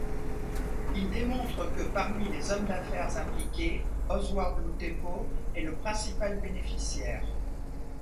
Il démontre que, parmi les hommes d'affaires impliqués, Osward Lutepo est le principal bénéficiaire.